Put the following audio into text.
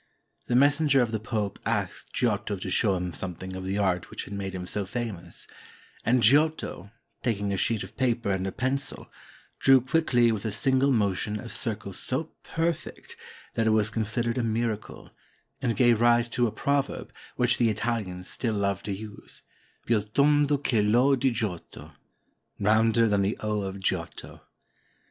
The messen ger of the Pope asked Giotto to show him something of the art which had made him so famous; and Giotto, tak ing a sheet of paper and a pencil, drew quickly with a single motion a circle so perfect that it was considered a miracle, and gave rise to a proverb, which the Italians still love to use: Piu tondo che I'O di Giotto, —" Rounder than the 0 of Giotto."